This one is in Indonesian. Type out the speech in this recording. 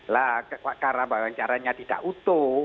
lah karena caranya tidak utuh